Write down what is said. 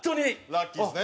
ラッキーですね。